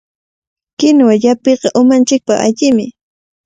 Kinuwa llapiqa umanchikpaq allimi.